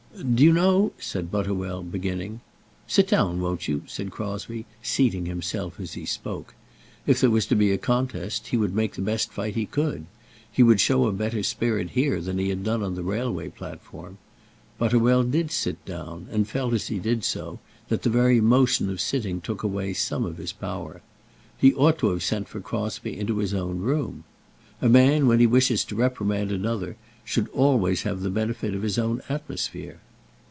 "Do you know " said Butterwell, beginning. "Sit down, won't you?" said Crosbie, seating himself as he spoke. If there was to be a contest, he would make the best fight he could. He would show a better spirit here than he had done on the railway platform. Butterwell did sit down, and felt as he did so, that the very motion of sitting took away some of his power. He ought to have sent for Crosbie into his own room. A man, when he wishes to reprimand another, should always have the benefit of his own atmosphere.